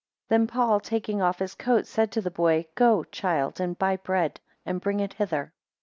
3 Then Paul, taking off his coat, said to the boy, Go, child, and buy bread, and bring it hither.